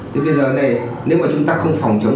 thì bây giờ này nếu mà chúng ta không phòng chống